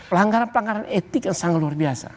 pelanggaran pelanggaran etik yang sangat luar biasa